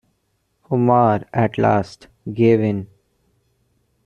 Umar at last gave in.